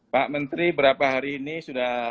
pak menteri berapa hari ini sudah sering panggil